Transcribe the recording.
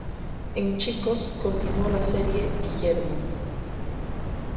En "Chicos" continuó la serie "Guillermo".